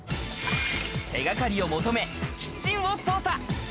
手掛かりを求め、キッチンを捜査。